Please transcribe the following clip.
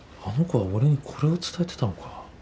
あの子は俺にこれを伝えてたのか。